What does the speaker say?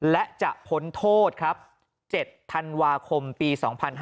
และจะพ้นโทษครับ๗ธันวาคมปี๒๕๕๙